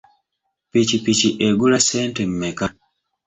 Ppikipiki egula ssente mmeka?